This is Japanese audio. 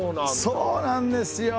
そうなんですよ。